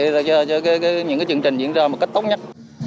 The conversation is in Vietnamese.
thì là cho những cái chương trình diễn ra một cách tốt nhất